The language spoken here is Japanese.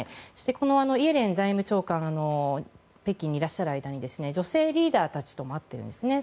このイエレン財務長官が北京にいらっしゃる間に女性リーダーたちとも会ってるんですね。